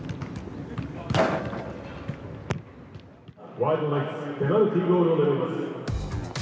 「ワイルドナイツペナルティーゴールを狙います」。